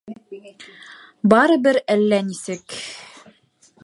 Барыбер әллә нисек.